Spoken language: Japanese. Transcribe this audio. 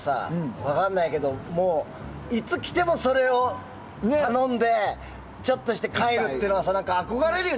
分かんないけどいつ来ても、それを頼んでちょっとして帰るっていうのは憧れるよね。